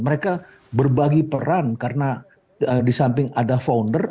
mereka berbagi peran karena di samping ada founder